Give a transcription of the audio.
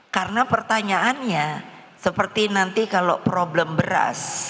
karena pertanyaannya seperti nanti kalau problem beras